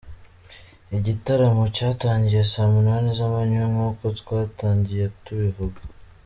Igitaramo cyatangiye saa munani zamanywa nk'uko twatangiye tubivuga.